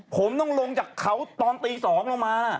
ผมต้องลงจากเขาตอนตี๒ลงมานะ